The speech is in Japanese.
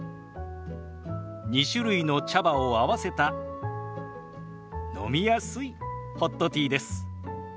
２種類の茶葉を合わせた飲みやすいホットティーです。